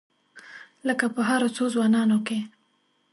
لکه په هرو څو ځوانانو کې.